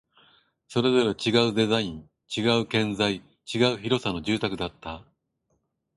それぞれ違うデザイン、違う建材、違う広さの住宅だった